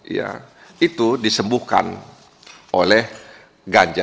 ya itu disembuhkan oleh ganja